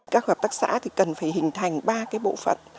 các hợp tác xã cần phải hình thành ba bộ phận